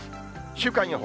週間予報。